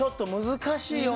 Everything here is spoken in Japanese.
難しい。